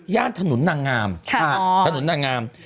ย่านถหนุนนางงามถหนุนนางงาม